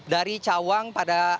dari cawang pada